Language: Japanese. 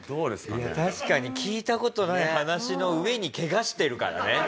いや確かに聞いた事ない話の上にケガしてるからね。